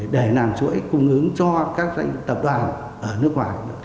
để làm chuỗi cung ứng cho các tập đoàn ở nước ngoài